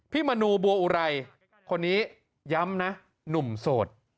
มนูบัวอุไรคนนี้ย้ำนะหนุ่มโสด